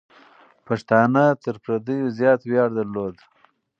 پښتانه تر پردیو زیات ویاړ درلود.